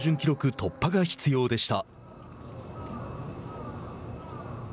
突破が必要でした。